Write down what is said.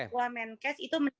keluarga menkes itu menilai e